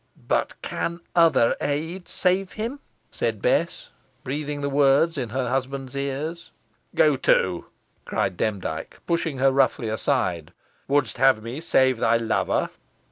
"But can other aid save him?" said Bess, breathing the words in her husband's ears. "Go to!" cried Demdike, pushing her roughly aside; "wouldst have me save thy lover?"